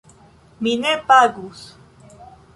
Mi ne pagus.